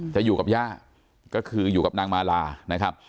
จะอยู่กับย่าก็คืออยู่กับนางมาลานะครับ